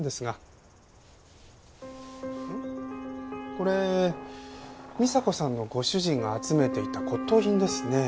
これ美沙子さんのご主人が集めていた骨董品ですねえ。